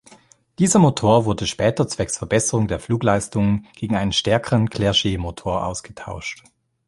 Dieser Motor wurde später zwecks Verbesserung der Flugleistungen gegen einen stärkeren Clerget-Motor ausgetauscht.